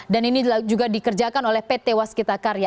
dan ini juga dikerjakan oleh pt waskita karya